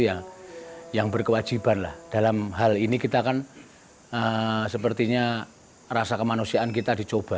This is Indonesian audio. ya yang berkewajiban lah dalam hal ini kita kan sepertinya rasa kemanusiaan kita dicoba